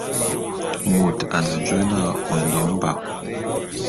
Mot ane jôé na Ondo Mba.